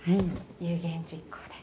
「夢言実行」で。